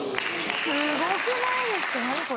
すごくないですか。